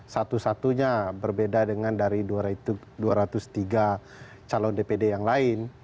satu satunya berbeda dengan dari dua ratus tiga calon dpd yang lain